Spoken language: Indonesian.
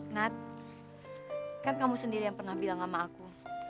nat kan kamu sendiri yang pernah bilang sama aku